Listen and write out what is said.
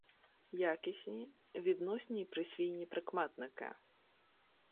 Якісні, відносні і присвійні прикметники